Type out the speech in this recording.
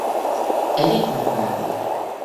Eric megmenti.